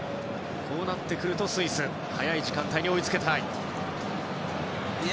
こうなってくるとスイスは早い時間帯に追いつきたい。